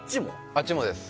あっちもです